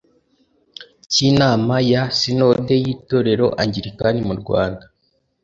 cy inama ya Sinode y Itorero Angilikani mu Rwanda